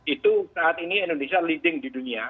itu saat ini indonesia leading di dunia